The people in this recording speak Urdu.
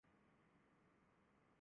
برف پگھلنا شروع ہوتا ہے